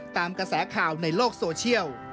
ตามกระแสข่าวในโลกโซเชียล